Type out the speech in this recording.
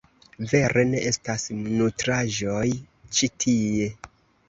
Vere ne estas nutraĵoj ĉi tie